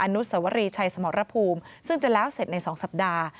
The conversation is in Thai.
นุสวรีชัยสมรภูมิซึ่งจะแล้วเสร็จใน๒สัปดาห์